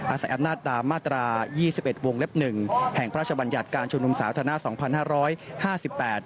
อาศัยนาตรามาตรา๒๑วงเล็บ๑แห่งพระราชบัญญัติการชมดุมสาธารณะ๒๕๕๘